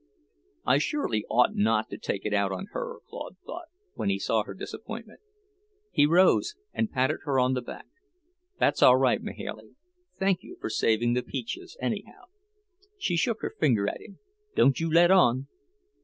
"I surely ought not to take it out on her," Claude thought, when he saw her disappointment. He rose and patted her on the back. "That's all right, Mahailey. Thank you for saving the peaches, anyhow." She shook her finger at him. "Don't you let on!"